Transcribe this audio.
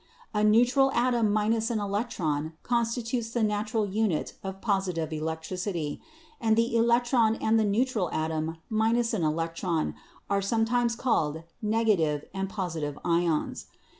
"A neutral atom minus an electron constitutes the nat ural unit of positive electricity, and the electron and the neutral atom minus an electron are sometimes called nega tive and positive ions.